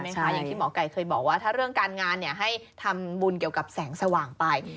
อย่างที่หมอไก่เคยบอกว่าถ้าเรื่องการงานให้ทำบุญเกี่ยวกับแสงสว่างไป